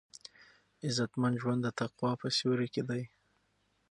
عزتمن ژوند د تقوا په سیوري کې دی.